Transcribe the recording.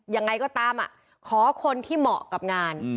ยังไงก็ตามขอคนที่เหมาะกับงาน